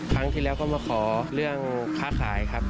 ครั้งที่แล้วก็มาขอเรื่องค้าขายครับ